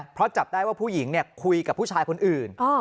เพราะจับได้ว่าผู้หญิงคุยกับผู้ชายคนอื่น